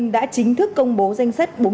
đã chính thức công bố danh sách